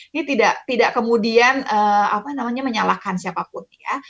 ini tidak kemudian menyalahkan siapapun ya